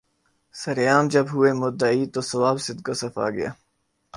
سر عام جب ہوئے مدعی تو ثواب صدق و صفا گیا